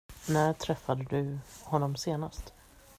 När träffade du honom senast?